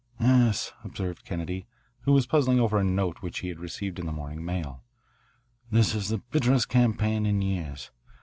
"Yes," observed Kennedy, who was puzzling over a note which he had received in the morning mail. "This is the bitterest campaign in years.